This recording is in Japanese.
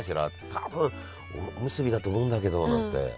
多分おむすびだと思うんだけど」なんて。